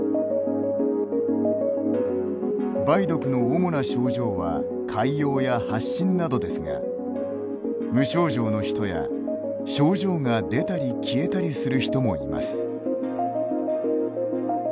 梅毒の主な症状は潰瘍や発疹などですが無症状の人や、症状が出たり消えたりする人もいます。